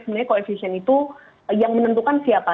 sebenarnya koefisien itu yang menentukan siapa